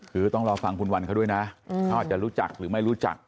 คือต้องรอฟังคุณวันเขาด้วยนะเขาอาจจะรู้จักหรือไม่รู้จัก